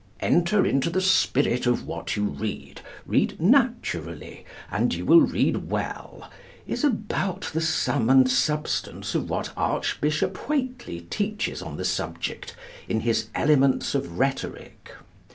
'Enter into the spirit of what you read, read naturally, and you will read well,' is about the sum and substance of what Archbishop Whateley teaches on the subject, in his 'Elements of Rhetoric.'